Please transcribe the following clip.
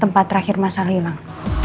tempat terakhir masalah hilang